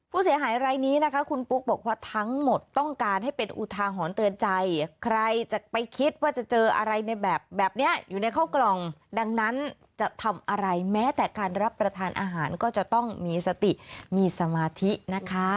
ผู้เสียหายรายนี้นะคะคุณปุ๊กบอกว่าทั้งหมดต้องการให้เป็นอุทาหรณ์เตือนใจใครจะไปคิดว่าจะเจออะไรในแบบแบบนี้อยู่ในเข้ากล่องดังนั้นจะทำอะไรแม้แต่การรับประทานอาหารก็จะต้องมีสติมีสมาธินะคะ